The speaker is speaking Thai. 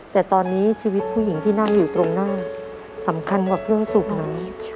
แต่ตอนนี้ชีวิตผู้หญิงที่นั่งอยู่ตรงหน้าสำคัญกว่าเครื่องสูบนั้น